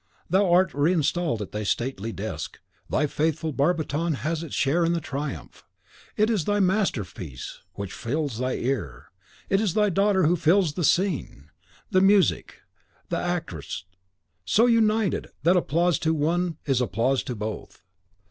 Thou art reinstalled at thy stately desk, thy faithful barbiton has its share in the triumph. It is thy masterpiece which fills thy ear; it is thy daughter who fills the scene, the music, the actress, so united, that applause to one is applause to both.